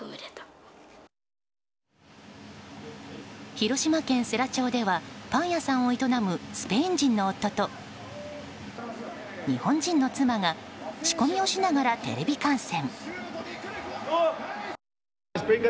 広島県世羅町ではパン屋さんを営むスペイン人の夫と日本人の妻が仕込みをしながらテレビ観戦。